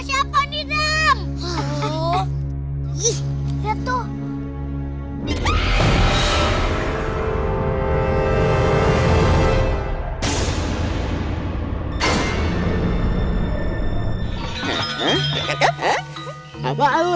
tidak ada yang bisa dihapuskan